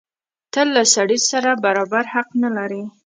ته له سړي سره برابر حق نه لرې.